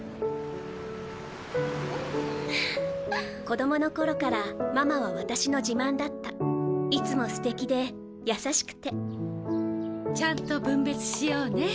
子どもの頃からママは私の自慢だったいつもすてきで優しくてちゃんと分別しようね。